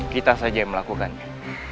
kita saja yang melakukannya